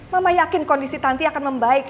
mama yakin kondisi tanti akan membaik